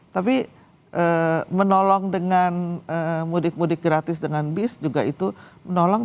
tapi menolong dengan mudik mudik gratis dengan bis juga itu menolong